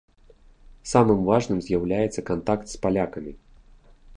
Самым важным з'яўляецца кантакт з палякамі.